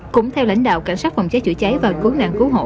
cũng theo lãnh đạo cảnh sát phòng cháy chữa cháy và cứu nạn cứu hộ